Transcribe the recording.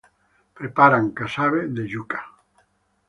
Preparan casabe de yuca.